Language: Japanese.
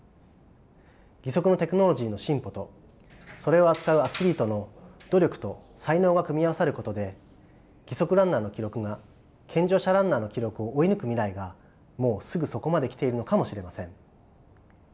義足のテクノロジーの進歩とそれを扱うアスリートの努力と才能が組み合わさることで義足ランナーの記録が健常者ランナーの記録を追い抜く未来がもうすぐそこまで来ているのかもしれません。